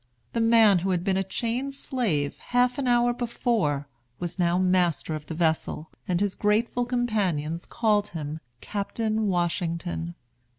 The man who had been a chained slave half an hour before was now master of the vessel, and his grateful companions called him Captain Washington.